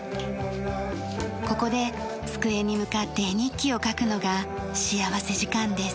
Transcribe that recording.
ここで机に向かって絵日記を描くのが幸福時間です。